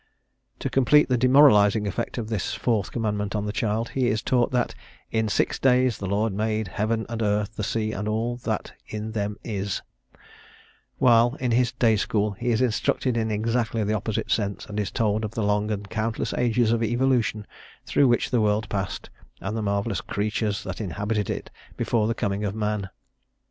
To complete the demoralising effect of this fourth commandment on the child, he is taught that "in six days the Lord made heaven and earth, the sea, and all that in them is," while, in his day school he is instructed in exactly the opposite sense, and is told of the long and countless ages of evolution through which the world passed, and the marvellous creatures that inhabited it before the coming of man.